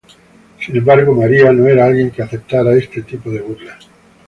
Sin embargo, María no era alguien que aceptara este tipo de burlas.